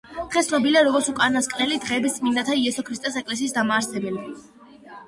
დღეს ცნობილია როგორც უკანასკნელი დღეების წმინდანთა იესო ქრისტეს ეკლესიის დამაარსებელი.